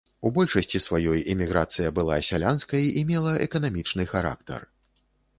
У большасці сваёй эміграцыя была сялянскай і мела эканамічны характар.